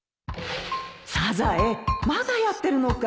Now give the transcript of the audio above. サザエまだやってるのかい？